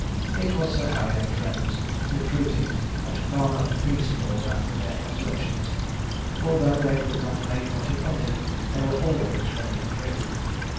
It was Sir Harry and friends recruiting at Fanner Peastraw's after their exertions; for, though they could not make much of hunting, they were always ready to drink.